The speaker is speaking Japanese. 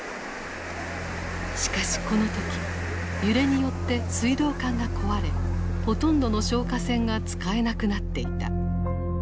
しかしこの時揺れによって水道管が壊れほとんどの消火栓が使えなくなっていた。